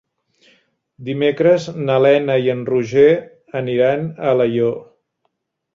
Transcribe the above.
Dimecres na Lena i en Roger aniran a Alaior.